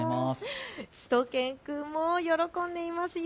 しゅと犬くんも喜んでいますよ。